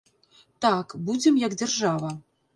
Так, будзем, як дзяржава.